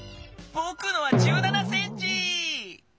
ぼくのは１７センチ！